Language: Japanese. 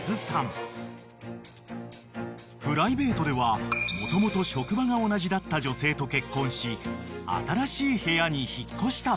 ［プライベートではもともと職場が同じだった女性と結婚し新しい部屋に引っ越したばかりでした］